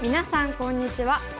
こんにちは。